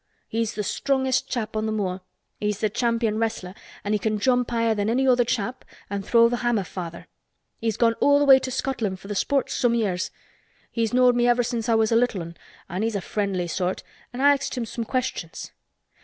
He's the strongest chap on th' moor. He's the champion wrestler an' he can jump higher than any other chap an' throw th' hammer farther. He's gone all th' way to Scotland for th' sports some years. He's knowed me ever since I was a little 'un an' he's a friendly sort an' I axed him some questions.